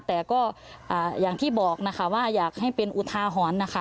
แต่ก็อย่างที่บอกนะคะว่าอยากให้เป็นอุทาหรณ์นะคะ